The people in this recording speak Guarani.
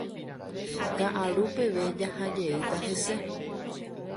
Ka'aru peve jaha jeýta hese.